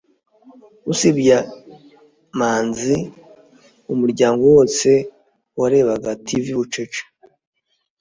usibye manzi, umuryango wose warebaga tv bucece